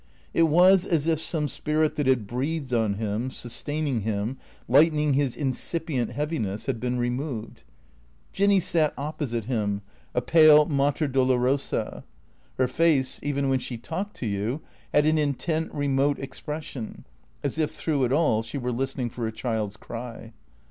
It was as if some spirit that had breathed on him, sustaining him, lightening his incipient heaviness, had been removed. Jinny sat opposite him, a pale Mater Dolorosa. Her face, even when she talked to you, had an intent, remote expression, as if through it all she were listening for her child's cry.